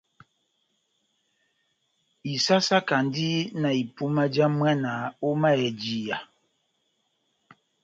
Isásákandi na ipuma já mwana ó mayèjiya.